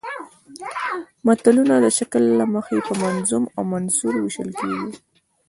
متلونه د شکل له مخې په منظوم او منثور ویشل کېږي